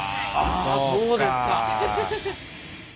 そうですか。